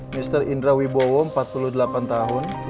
mr indra wibowo empat puluh delapan tahun